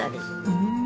うん！